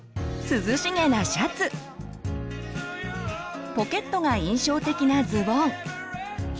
涼しげなシャツポケットが印象的なズボン